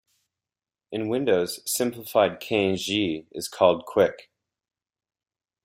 In Windows, Simplified Cangjie is called 'Quick'.